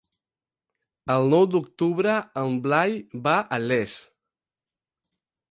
El nou d'octubre en Blai va a Les.